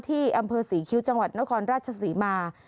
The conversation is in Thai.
ที่อำเภอศรีคิ้วจังหวัดนครราชศรีมา